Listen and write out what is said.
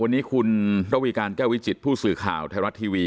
วันนี้คุณระวีการแก้ววิจิตผู้สื่อข่าวไทยรัฐทีวี